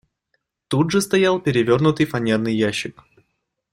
Тут же стоял перевернутый фанерный ящик.